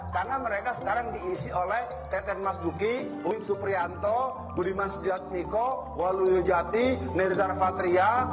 karena mereka sekarang diimpi oleh teten mas duki uim suprianto budiman sedyat miko waluyo jati nezar fatria